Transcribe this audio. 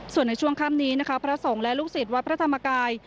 ส่วนในช่วงค่ำนี้นะคะพระสงฆ์และลูกศิษย์วัดพระธรรมกาย